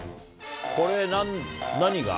これ、何が？